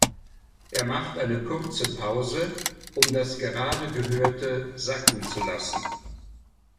Er macht eine kurze Pause, um das gerade Gehörte sacken zu lassen.